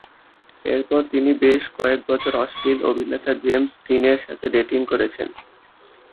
এরপরে, তিনি বেশ কয়েক বছর অশ্লীল অভিনেতা জেমস দীনের সাথে ডেটিং করেছেন।